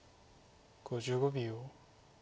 ５５秒。